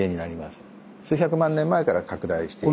数百万年前から拡大している。